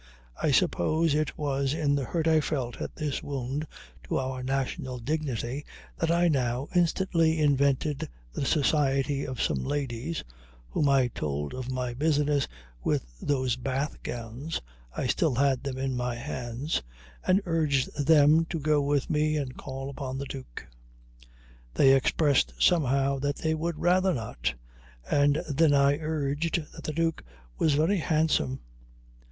I suppose it was in the hurt I felt at this wound to our national dignity that I now instantly invented the society of some ladies, whom I told of my business with those bath gowns (I still had them in my hands), and urged them to go with me and call upon the Duke. They expressed, somehow, that they would rather not, and then I urged that the Duke was very handsome.